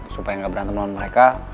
supaya gak berantem lawan mereka